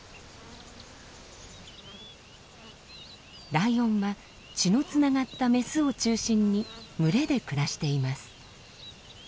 ライオンは血のつながったメスを中心に群れで暮らしています。